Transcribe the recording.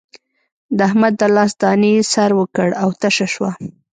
د احمد د لاس دانې سر وکړ او تشه شوه.